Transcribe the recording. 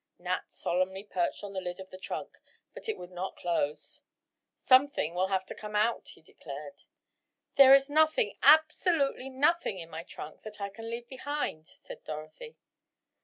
Nat solemnly perched on the lid of the trunk, but it would not close. "Something will have to come out," he declared. "There is nothing, absolutely nothing, in my trunk that I can leave behind," said Dorothy.